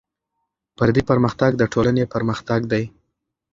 فردي پرمختګ د ټولنې پرمختګ دی.